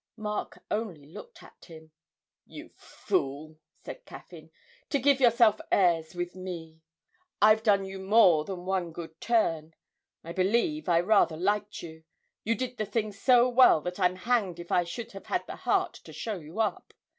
Mark only looked at him. 'You fool,' said Caffyn, 'to give yourself airs with me. I've done you more than one good turn. I believe I rather liked you you did the thing so well that I'm hanged if I should have had the heart to show you up.